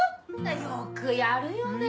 よくやるよね。